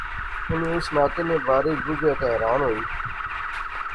انی اس ناطے نے بارے چ بجیا تہ حیران ہوئی